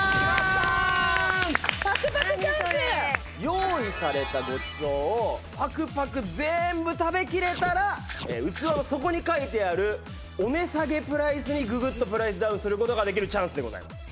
用意されたごちそうをパクパク全部食べきれたら器の底に書いてあるお値下げプライスにぐぐっとプライスダウンする事ができるチャンスでございます。